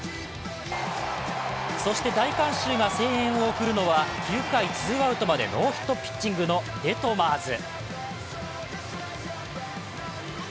そして、大観衆が声援を送るのは９回ツーアウトまでノーヒットピッチングのデトマーズ。